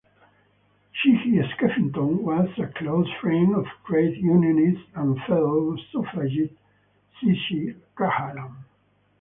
Sheehy Skeffington was a close friend of trade unionist and fellow suffragette Cissie Cahalan.